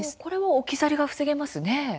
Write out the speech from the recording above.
置き去りが防げますね。